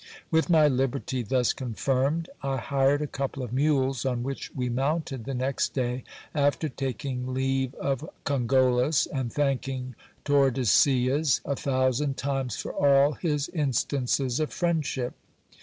33Q GIL BLAS. With my liberty thus confirmed, I hired a couple of mules, on which we mounted the next day, after taking leave of Cogollos, and thanking Tordesillas a thousand times for all his instances of friendship.